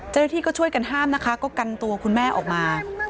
เจ้าหน้าที่ก็ช่วยกันห้ามนะคะก็กันตัวคุณแม่ออกมา